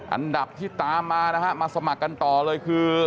อันดับที่ตามมานะฮะมาสมัครกันต่อเลยคือ